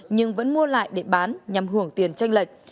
nhưng vẫn mua lại để bán nhằm hưởng tiền tranh lệch